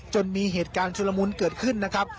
จนมีเหตุการณ์ชุลมุนเกิดขึ้นนะครับ